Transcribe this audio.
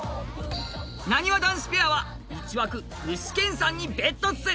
なにわ男子ペアは１枠具志堅さんにＢＥＴっす！